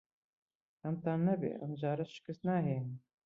خەمتان نەبێت. ئەم جارە شکست ناهێنین.